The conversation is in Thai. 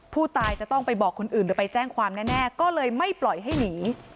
ผู้ตายจะต้องไปบอกคนอื่นหรือไปแจ้งความแน่ก็เลยไม่ปล่อยให้หนี